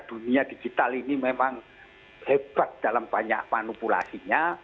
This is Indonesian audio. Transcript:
dunia digital ini memang hebat dalam banyak manipulasinya